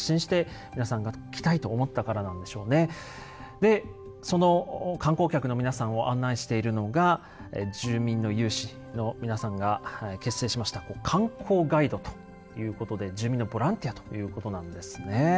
でその観光客の皆さんを案内しているのが住民の有志の皆さんが結成しました観光ガイドということで住民のボランティアということなんですね。